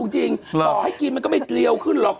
จริงต่อให้กินมันก็ไม่เรียวขึ้นหรอก